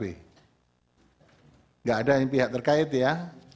tidak ada yang pihak terkait ya